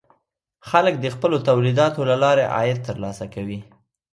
خلک د خپلو تولیداتو له لارې عاید ترلاسه کوي.